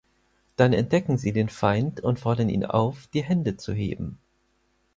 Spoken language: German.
Dann entdecken sie den Feind und fordern ihn auf, die Hände zu heben.